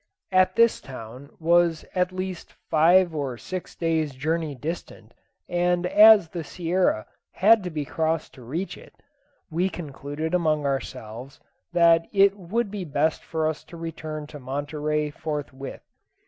As this town was at least five or six days' journey distant, and as the Sierra had to be crossed to reach it, we concluded among ourselves that it would be best for us to return to Monterey forthwith.